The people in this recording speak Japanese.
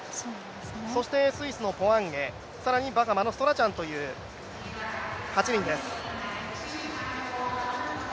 そしてスイスのポワンエ、更にバハマのストラチャンという８人です。